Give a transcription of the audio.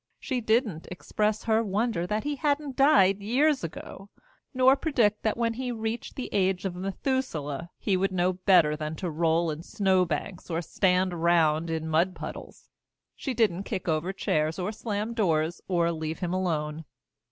She didn't express her wonder that he hadn't died years ago, nor predict that when he reached the age of Methuselah he would know better than to roll in snow banks or stand around in mud puddles. She didn't kick over chairs or slam doors or leave him alone.